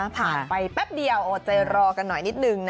ผ่านไปแป๊บเดียวโอดใจรอกันหน่อยนิดนึง